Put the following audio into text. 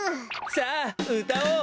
さあうたおう！